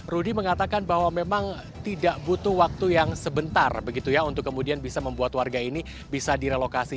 rudy mengatakan bahwa memang tidak butuh waktu yang sebentar begitu ya untuk kemudian bisa membuat warga ini bisa direlokasi